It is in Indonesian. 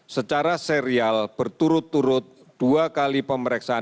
secara serial berturut turut dua kali pemeriksaan